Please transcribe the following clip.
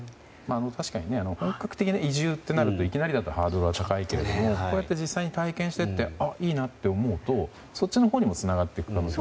確かに本格的な移住となるといきなりだとハードルは高いけどこうやって実際に体験していっていいなと思えばそっちのほうにもつながっていくと。